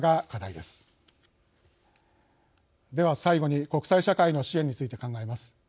では、最後に国際社会の支援について考えます。